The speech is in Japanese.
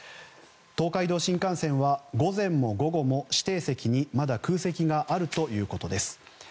東海道新幹線は午前も午後も指定席に、まだ空席があるということです。